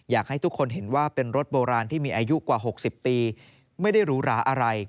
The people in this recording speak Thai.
อยากให้ทุกคนเห็นว่าเป็นรถโบราณที่มีอายุกว่า๖๐ปีไม่ได้หรูหราอะไร